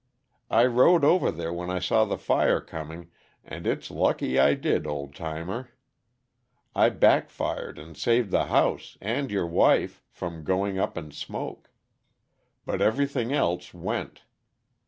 "I rode over there when I saw the fire coming, and it's lucky I did, old timer. I back fired and saved the house and your wife from going up in smoke. But everything else went.